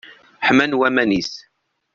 Ḥman waman-is.